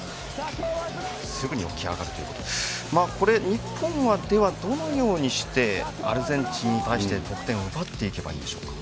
日本はどのようにしてアルゼンチンに対して得点を奪っていけばいいでしょうか。